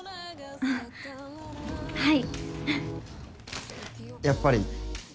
あっはい。